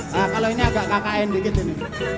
nah kalau ini agak kkn dikit ini